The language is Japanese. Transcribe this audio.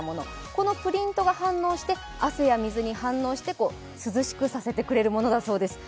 このプリントが汗や水に反応して涼しくさせてくれるものだそうです。